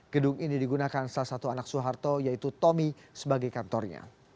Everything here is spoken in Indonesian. gedung ini digunakan salah satu anak soeharto yaitu tommy sebagai kantornya